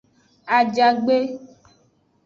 Ajagbe.